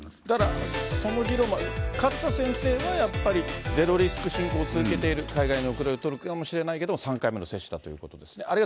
だから、その議論は、勝田先生は、やっぱりゼロリスクしんこうを続けている海外に後れを取るかもしれないけど、３回目の接種だということですね。